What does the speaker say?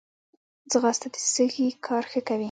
ځغاسته د سږي کار ښه کوي